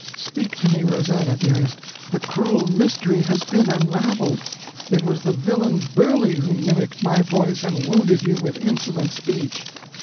Speak to me, Rosannah, dearest! The cruel mystery has been unraveled; it was the villain Burley who mimicked my voice and wounded you with insolent speech!"